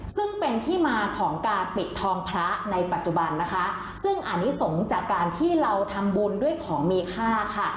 ซึ่งเป็นที่มาของการปิดทองพระในปัจจุบันนะคะซึ่งอันนี้สงฆ์จากการที่เราทำบุญด้วยของมีค่าค่ะ